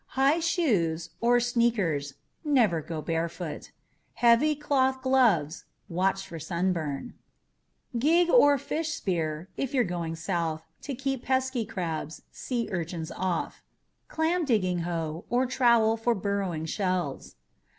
High shoes (or sneakers) never go barefooted! Heavy cloth GLOVES. Watch out for sunburn! GIG or fish spear (if you're going South) to keep pesky crabs, sea urchins off. CLAM DIGGING HOE or trowel for burrowing shells.